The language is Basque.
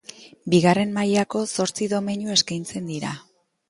Bigarren mailako zortzi domeinu eskaintzen dira.